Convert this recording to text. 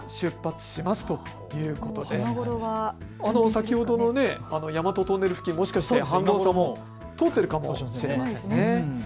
先ほどの大和トンネル付近、もしかしたら通っているかもしれませんね。